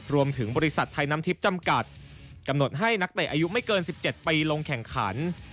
รวมถึงบริษัทไทยน้ำทิพย์จำกัดกำหนดให้นักเตะอายุไม่เกิน๑๗ปีลงแข่งขัน